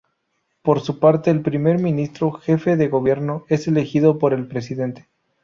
Por su parte, el Primer Ministro, jefe de gobierno, es elegido por el presidente.